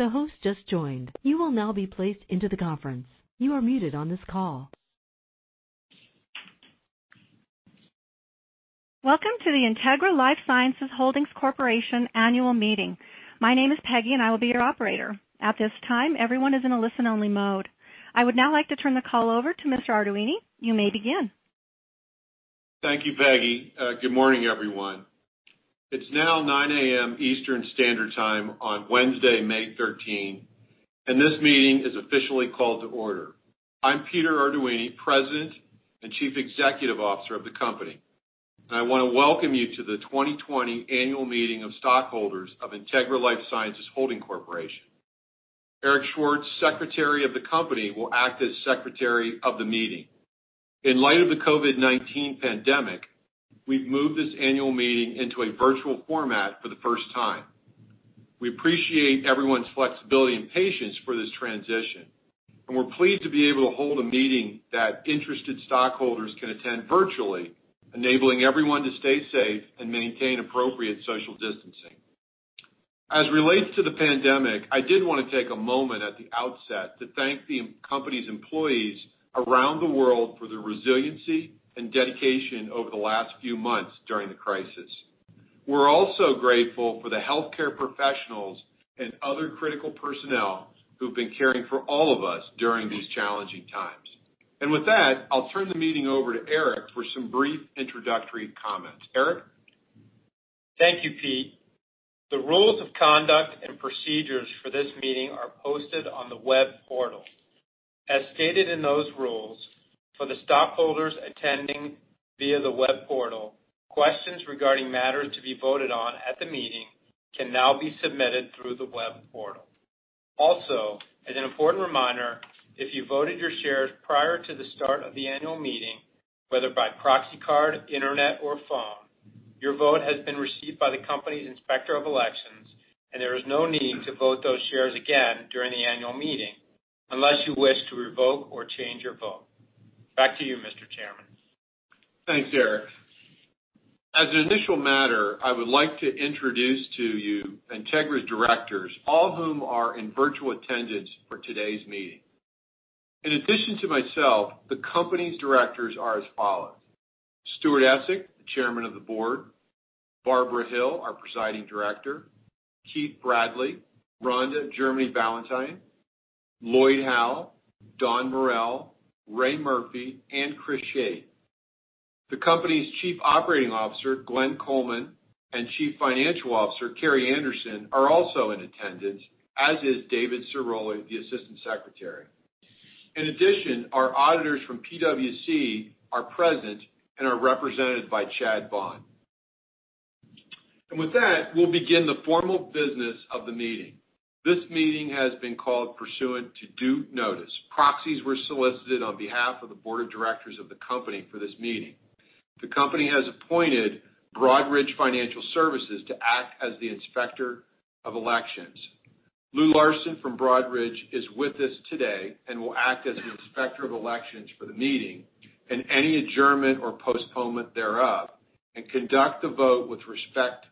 The host just joined. You will now be placed into the conference. You are muted on this call. Welcome to the Integra LifeSciences Holdings Corporation annual meeting. My name is Peggy and I will be your operator. At this time, everyone is in a listen-only mode. I would now like to turn the call over to Mr. Arduini. You may begin. Thank you, Peggy. Good morning, everyone. It's now 9:00 A.M. Eastern Standard Time on Wednesday, May 13, and this meeting is officially called to order. I'm Peter Arduini, President and Chief Executive Officer of the company, and I want to welcome you to the 2020 annual meeting of stockholders of Integra LifeSciences Holdings Corporation. Eric Schwartz, Secretary of the company, will act as Secretary of the meeting. In light of the COVID-19 pandemic, we've moved this annual meeting into a virtual format for the first time. We appreciate everyone's flexibility and patience for this transition, and we're pleased to be able to hold a meeting that interested stockholders can attend virtually, enabling everyone to stay safe and maintain appropriate social distancing. As it relates to the pandemic, I did want to take a moment at the outset to thank the company's employees around the world for their resiliency and dedication over the last few months during the crisis. We're also grateful for the healthcare professionals and other critical personnel who've been caring for all of us during these challenging times. With that, I'll turn the meeting over to Eric for some brief introductory comments. Eric? Thank you, Pete. The rules of conduct and procedures for this meeting are posted on the web portal. As stated in those rules, for the stockholders attending via the web portal, questions regarding matters to be voted on at the meeting can now be submitted through the web portal. As an important reminder, if you voted your shares prior to the start of the annual meeting, whether by proxy card, internet, or phone, your vote has been received by the company's Inspector of Elections and there is no need to vote those shares again during the annual meeting unless you wish to revoke or change your vote. Back to you, Mr. Chairman. Thanks, Eric. As an initial matter, I would like to introduce to you Integra's directors, all of whom are in virtual attendance for today's meeting. In addition to myself, the company's directors are as follows: Stuart Essig, the Chairman of the Board, Barbara Hill, our Presiding Director, Keith Bradley, Rhonda Germany Ballintyn, Lloyd Howell, Don Morel, Ray Murphy, and Chris Schade. The company's Chief Operating Officer, Glenn Coleman, and Chief Financial Officer, Carrie Anderson, are also in attendance, as is David Cerulli, the Assistant Secretary. With that, we'll begin the formal business of the meeting. This meeting has been called pursuant to due notice. Proxies were solicited on behalf of the Board of Directors of the company for this meeting. The company has appointed Broadridge Financial Solutions to act as the Inspector of Elections. Louis Larsen from Broadridge is with us today and will act as the Inspector of Elections for the meeting and any adjournment or postponement thereof and conduct the vote with respect to the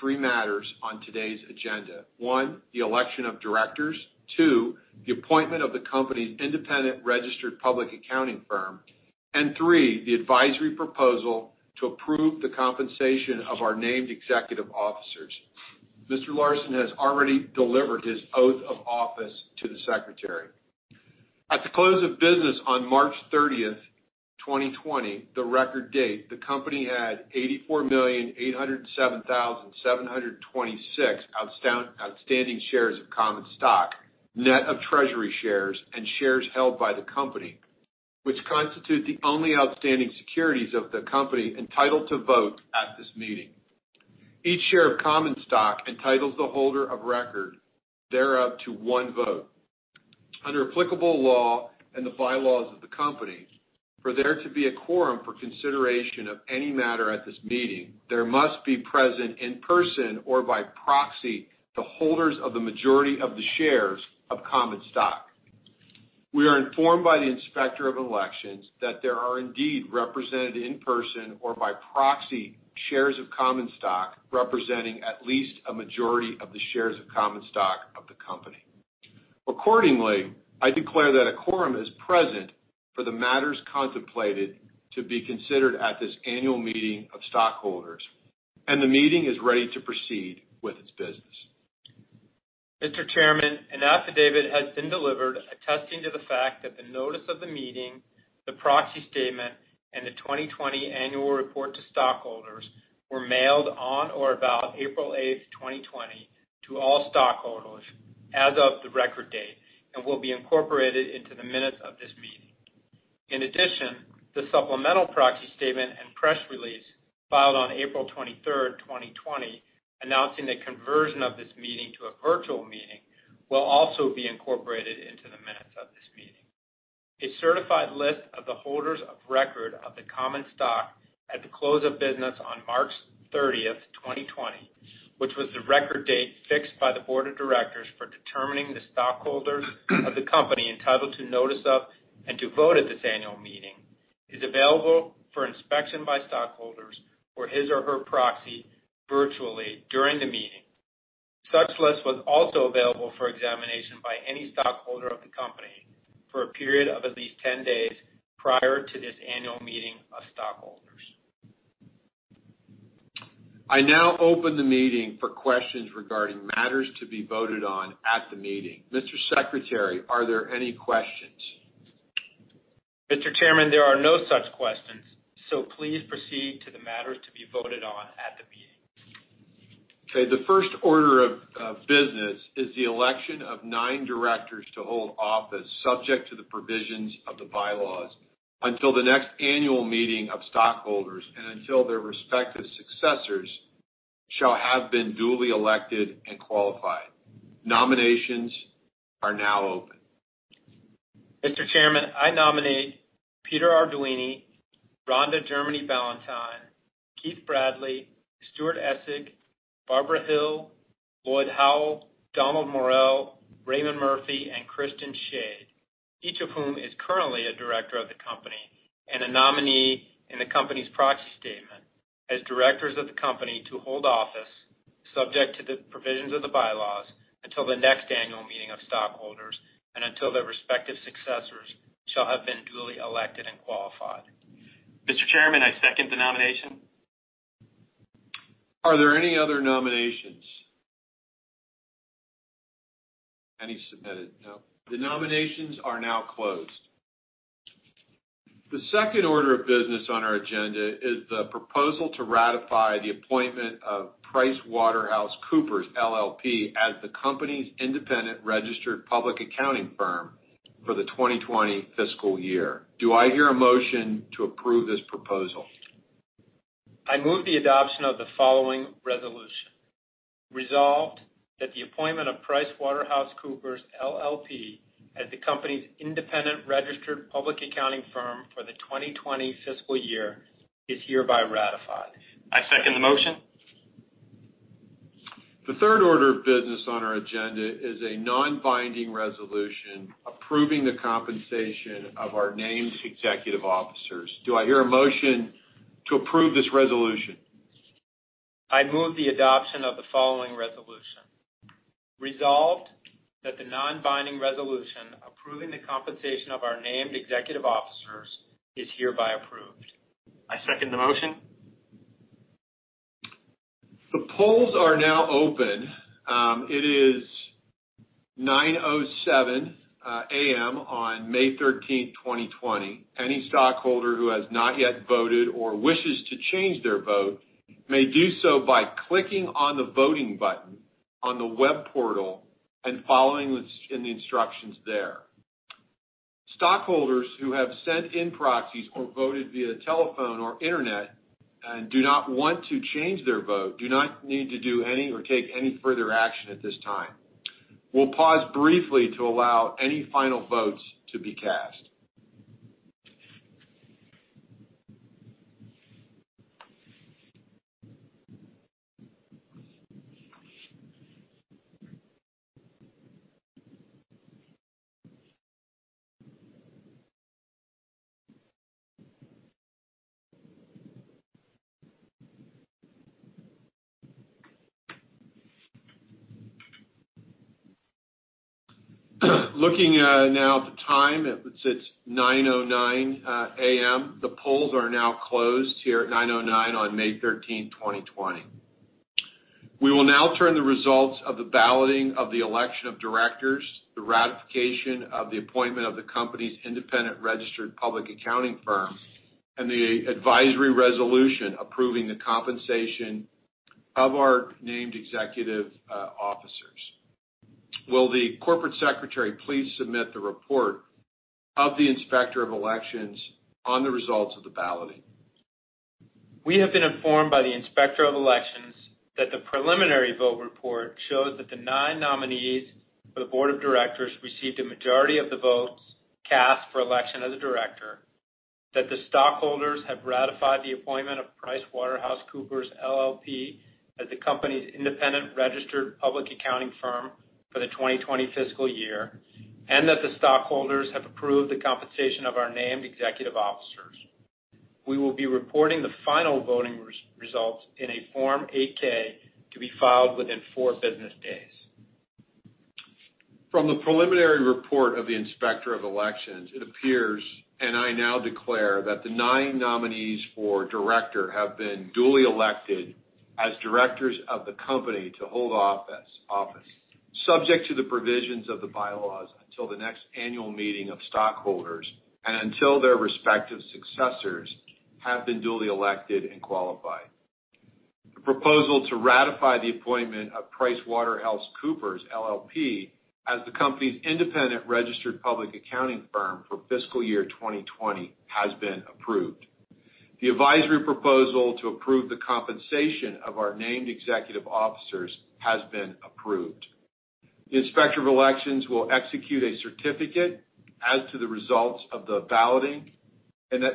three matters on today's agenda. One, the election of directors. Two, the appointment of the company's independent registered public accounting firm. Three, the advisory proposal to approve the compensation of our named executive officers. Mr. Larsen has already delivered his oath of office to the secretary. At the close of business on March 30th, 2020, the record date, the company had 84,807,726 outstanding shares of common stock, net of treasury shares and shares held by the company, which constitute the only outstanding securities of the company entitled to vote at this meeting. Each share of common stock entitles the holder of record thereof to one vote. Under applicable law and the bylaws of the company, for there to be a quorum for consideration of any matter at this meeting, there must be present in person or by proxy, the holders of the majority of the shares of common stock. We are informed by the Inspector of Elections that there are indeed represented in person or by proxy, shares of common stock representing at least a majority of the shares of common stock of the company. Accordingly, I declare that a quorum is present for the matters contemplated to be considered at this annual meeting of stockholders, and the meeting is ready to proceed with its business. Mr. Chairman, an affidavit has been delivered attesting to the fact that the notice of the meeting, the proxy statement, and the 2020 annual report to stockholders were mailed on or about April 8th, 2020 to all stockholders as of the record date and will be incorporated into the minutes of this meeting. In addition, the supplemental proxy statement and press release filed on April 23rd, 2020, announcing the conversion of this meeting to a virtual meeting will also be incorporated into the minutes of this meeting. A certified list of the holders of record of the common stock at the close of business on March 30th, 2020, which was the record date fixed by the Board of Directors for determining the stockholders of the company entitled to notice of and to vote at this annual meeting is available for inspection by stockholders or his or her proxy virtually during the meeting. Such list was also available for examination by any stockholder of the company for a period of at least 10 days prior to this annual meeting of stockholders. I now open the meeting for questions regarding matters to be voted on at the meeting. Mr. Secretary, are there any questions? Mr. Chairman, there are no such questions. Please proceed to the matters to be voted on at the meeting. The first order of business is the election of nine directors to hold office, subject to the provisions of the bylaws until the next annual meeting of stockholders and until their respective successors shall have been duly elected and qualified. Nominations are now open. Mr. Chairman, I nominate Peter Arduini, Rhonda Germany Ballintyn, Keith Bradley, Stuart Essig, Barbara Hill, Lloyd Howell, Donald Morel, Raymond Murphy, and Christian Schade, each of whom is currently a director of the company and a nominee in the company's proxy statement as directors of the company to hold office, subject to the provisions of the bylaws, until the next annual meeting of stockholders and until their respective successors shall have been duly elected and qualified. Mr. Chairman, I second the nomination. Are there any other nominations? Any submitted? No. The nominations are now closed. The second order of business on our agenda is the proposal to ratify the appointment of PricewaterhouseCoopers LLP as the company's independent registered public accounting firm for the 2020 fiscal year. Do I hear a motion to approve this proposal? I move the adoption of the following resolution. Resolved that the appointment of PricewaterhouseCoopers LLP as the company's independent registered public accounting firm for the 2020 fiscal year is hereby ratified. I second the motion. The third order of business on our agenda is a non-binding resolution approving the compensation of our named executive officers. Do I hear a motion to approve this resolution? I move the adoption of the following resolution. Resolved that the non-binding resolution approving the compensation of our named executive officers is hereby approved. I second the motion. The polls are now open. It is 9:07 A.M. on May 13, 2020. Any stockholder who has not yet voted or wishes to change their vote may do so by clicking on the voting button on the web portal and following in the instructions there. Stockholders who have sent in proxies or voted via telephone or internet and do not want to change their vote do not need to do any or take any further action at this time. We'll pause briefly to allow any final votes to be cast. Looking now at the time, it's 9:09 A.M. The polls are now closed here at 9:09 on May 13, 2020. We will now turn the results of the balloting of the election of directors, the ratification of the appointment of the company's independent registered public accounting firm, and the advisory resolution approving the compensation of our named executive officers. Will the Corporate Secretary please submit the report of the Inspector of Elections on the results of the balloting? We have been informed by the Inspector of Elections that the preliminary vote report shows that the nine nominees for the board of directors received a majority of the votes cast for election as a director, that the stockholders have ratified the appointment of PricewaterhouseCoopers LLP as the company's independent registered public accounting firm for the 2020 fiscal year, and that the stockholders have approved the compensation of our named executive officers. We will be reporting the final voting results in a Form 8-K to be filed within four business days. From the preliminary report of the Inspector of Elections, it appears, and I now declare, that the nine nominees for director have been duly elected as directors of the company to hold office, subject to the provisions of the bylaws until the next annual meeting of stockholders and until their respective successors have been duly elected and qualified. The proposal to ratify the appointment of PricewaterhouseCoopers LLP as the company's independent registered public accounting firm for fiscal year 2020 has been approved. The advisory proposal to approve the compensation of our named executive officers has been approved. The Inspector of Elections will execute a certificate as to the results of the balloting, and that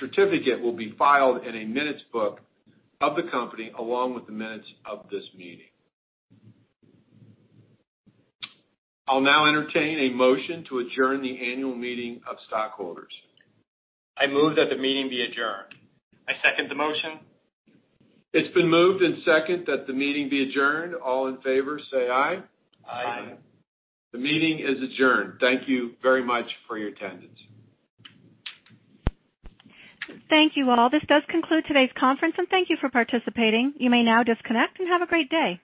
certificate will be filed in a minutes book of the company, along with the minutes of this meeting. I'll now entertain a motion to adjourn the annual meeting of stockholders. I move that the meeting be adjourned. I second the motion. It's been moved and seconded that the meeting be adjourned. All in favor say aye. Aye. Aye. The meeting is adjourned. Thank you very much for your attendance. Thank you all. This does conclude today's conference, and thank you for participating. You may now disconnect and have a great day.